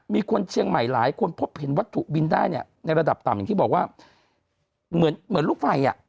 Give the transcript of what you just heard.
มีคนเชียงใหม่หลายคนพบเห็นวัตถุบินได้เนี่ยในระดับต่ำอย่างที่บอกว่าเหมือนเหมือนลูกไฟอ่ะ